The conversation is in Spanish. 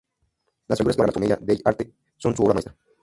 Las figuras que realizó para la Commedia dell'arte son su obra maestra.